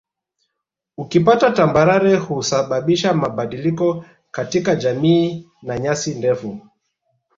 Ukipita tambarare husababisha mabadiliko katika jami na nyasi ndefu